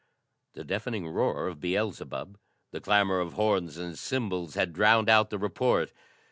The deafening roar of Beelzebub, the clamor of horns and cymbals had drowned out the report.